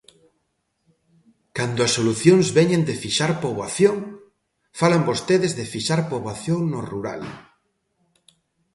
Cando as solucións veñen de fixar poboación; falan vostedes de fixar poboación no rural.